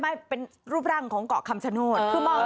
ไม่เป็นรูปร่างของเกาะคำชะโนธ